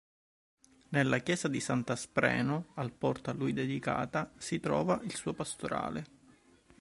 Nella chiesa di Sant'Aspreno al Porto a lui dedicata si trova il suo Pastorale.